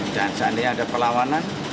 dan saat ini ada pelawanan